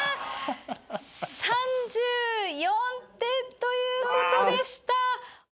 ３４点ということでした。